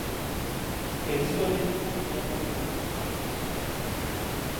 Ebisolo ebimu birya muddo gwokka